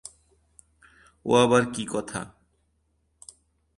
ও আবার কী কথা।